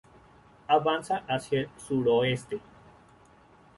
Avanza hacia el suroeste.